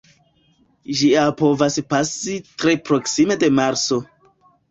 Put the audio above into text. Ĝia povas pasi tre proksime de Marso.